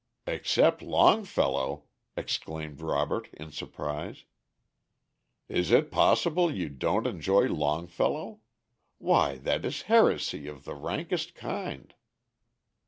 "Except Longfellow!" exclaimed Robert in surprise. "Is it possible you don't enjoy Longfellow? Why, that is heresy of the rankest kind!"